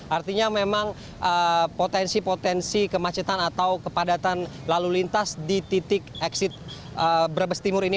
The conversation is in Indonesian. artinya memang potensi potensi kemacetan atau kepadatan lalu lintas di titik exit brebes timur ini